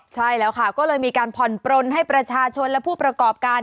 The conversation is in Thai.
ใช่แล้วค่ะก็เลยมีการผ่อนปลนให้ประชาชนและผู้ประกอบการ